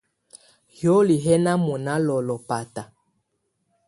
Hioli hɛ́ ná mɔ̀ná lɔ́lɔ̀ báta.